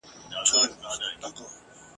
زه په دې چي مي بدرنګ سړی منلی !.